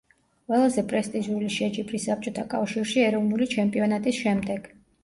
ყველაზე პრესტიჟული შეჯიბრი საბჭოთა კავშირში ეროვნული ჩემპიონატის შემდეგ.